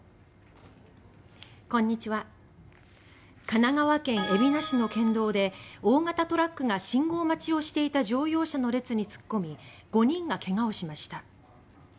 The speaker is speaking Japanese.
神奈川県海老名市の県道で大型トラックが信号待ちをしていた乗用車の列に突っ込み５人がけがをしました。